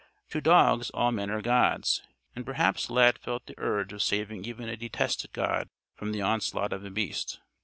To dogs all men are gods. And perhaps Lad felt the urge of saving even a detested god from the onslaught of a beast.